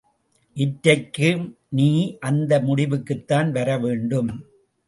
இன்றைக்கு நீயும் அந்த முடிவுக்குத்தான் வரவேண்டும்.